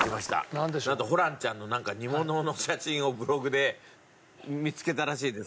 なんとホランちゃんのなんか煮物の写真をブログで見つけたらしいです